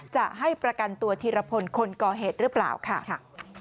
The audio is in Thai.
จะให้ประกันตัวธีรพลคนก่อเหตุหรือเปล่าค่ะ